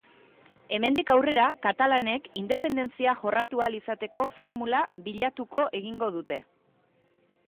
Hemendik aurrera, katalanek independentzia jorratu ahal izateko formula bilatuko egingo dute.